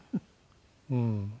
うん。